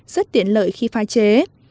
rất tiện lợi khi pha chế